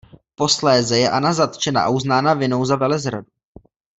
Posléze je Anna zatčena a uznána vinnou za velezradu.